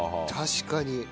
確かに。